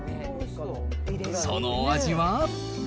そのお味は。